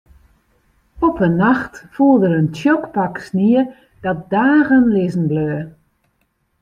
Op in nacht foel der in tsjok pak snie dat dagen lizzen bleau.